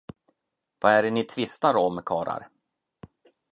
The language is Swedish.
Vad är det ni tvistar om, karlar?